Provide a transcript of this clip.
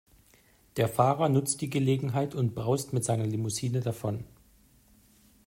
Der Fahrer nutzt die Gelegenheit und braust mit seiner Limousine davon.